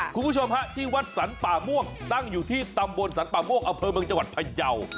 คุณผู้ชมฮะที่วัดสรรป่าม่วงตั้งอยู่ที่ตำบลสรรป่าม่วงอำเภอเมืองจังหวัดพยาว